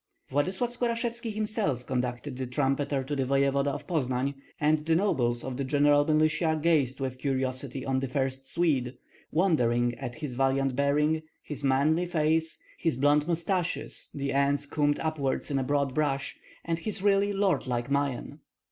Vladyslav Skorashevski himself conducted the trumpeter to the voevoda of Poznan, and the nobles of the general militia gazed with curiosity on the "first Swede," wondering at his valiant bearing, his manly face, his blond mustaches, the ends combed upward in a broad brush, and his really lordlike mien.